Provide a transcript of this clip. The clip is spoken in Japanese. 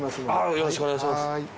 よろしくお願いします。